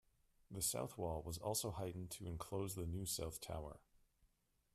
The south wall was also heightened to enclose the new south tower.